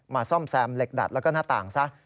ซ่อมแซมเหล็กดัดแล้วก็หน้าต่างซะ